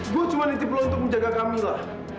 gua cuma ditipu untuk menjaga kamila